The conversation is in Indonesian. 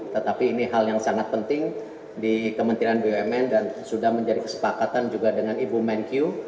tetapi ini hal yang sangat penting di kementerian bumn dan sudah menjadi kesepakatan juga dengan ibu menkyu